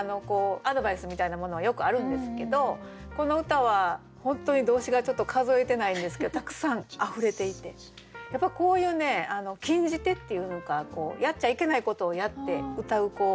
アドバイスみたいなものはよくあるんですけどこの歌は本当に動詞がちょっと数えてないんですけどたくさんあふれていてやっぱこういうね禁じ手っていうのかやっちゃいけないことをやってうたう。